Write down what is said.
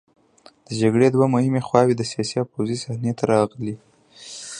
د جګړې دوه مهمې خواوې د سیاسي او پوځي صحنې ته راغلې.